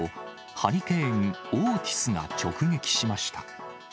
ハリケーン・オーティスが直撃しました。